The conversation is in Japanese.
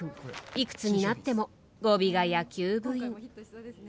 いくつになっても語尾が野球部員。